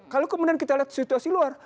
kalau kemudian kita lihat situasi luar